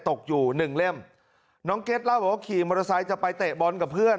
ตกอยู่หนึ่งเล่มน้องเก็ตเล่าบอกว่าขี่มอเตอร์ไซค์จะไปเตะบอลกับเพื่อน